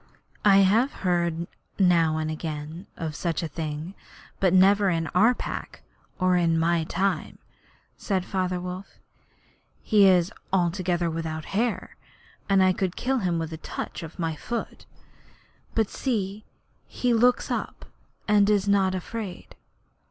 'I have heard now and again of such a thing, but never in our Pack or in my time,' said Father Wolf. 'He is altogether without hair, and I could kill him with a touch of my foot. But see, he looks up and is not afraid.'